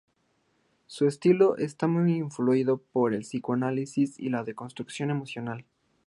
Su estilo está muy influido por el psicoanálisis y la deconstrucción emocional.